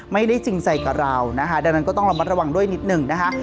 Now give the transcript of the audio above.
ไม่ได้จริงใจกับเรานะคะดังนั้นก็ต้องระวังด้วยนิดนึงนะคะ